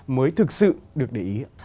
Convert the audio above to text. mới thực sự được để ý